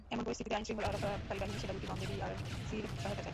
এমন পরিস্থিতিতে আইনশৃঙ্খলা রক্ষাকারী বাহিনী সেবা দুটি বন্ধে বিটিআরসির সহায়তা চায়।